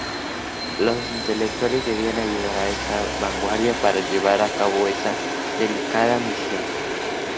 Los intelectuales debían ayudar esa vanguardia para llevar a cabo esa delicada misión.